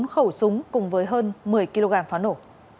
bốn khẩu súng cùng với hơn một mươi kg pháo nổ